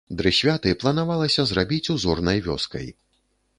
Дрысвяты планавалася зрабіць узорнай вёскай.